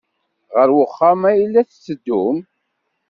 Ɣer uxxam ay la tetteddum?